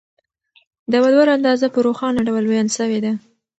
د ولور اندازه په روښانه ډول بیان سوې ده.